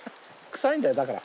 臭いんだよだから。